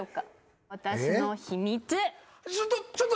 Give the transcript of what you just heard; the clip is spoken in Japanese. ちょっと。